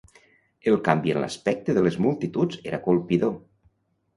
El canvi en l'aspecte de les multituds era colpidor.